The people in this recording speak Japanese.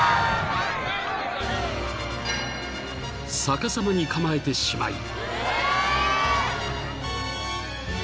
［逆さまに構えてしまい］